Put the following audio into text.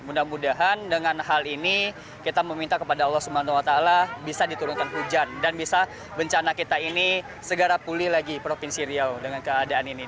mudah mudahan dengan hal ini kita meminta kepada allah swt bisa diturunkan hujan dan bisa bencana kita ini segera pulih lagi provinsi riau dengan keadaan ini